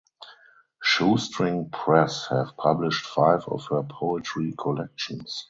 Shoestring Press have published five of her poetry collections.